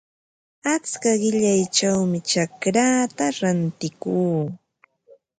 Achka qillayćhawmi chacraata rantikuu.